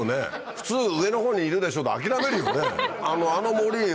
「普通上の方にいるでしょ」で諦めるよね。